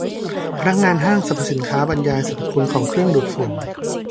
พนักงานห้างสรรพสินค้าบรรยายสรรพคุณของเครื่องดูดฝุ่น